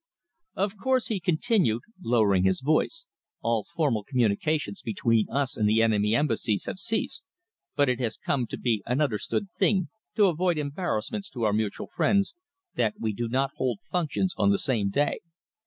"Of course," he continued, lowering his voice, "all formal communications between us and the enemy Embassies have ceased, but it has come to be an understood thing, to avoid embarrassments to our mutual friends, that we do not hold functions on the same day.